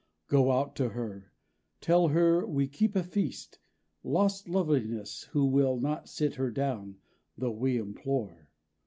Go out to her. Tell her we keep a feast, Lost Loveliness who will not sit her down Though we implore.